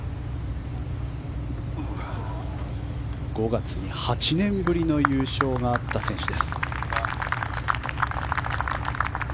５月に８年ぶりの優勝があった選手です。